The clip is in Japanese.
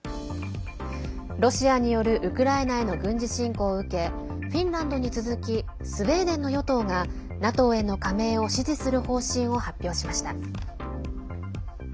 ロシアによるウクライナへの軍事侵攻を受けフィンランドに続きスウェーデンの与党がＮＡＴＯへの加盟を支持する方針を発表しました。